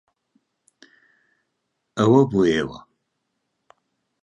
ئەوە بۆ ئێوە.